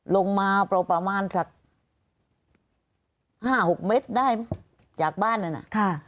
ลงมาประมาณสัก๕๖เมตรได้จากบ้านนั้นน่ะ